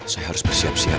saya harus bersiap siap